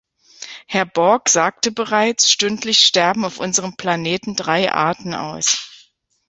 Herr Borg sagte es bereits, stündlich sterben auf unserem Planeten drei Arten aus.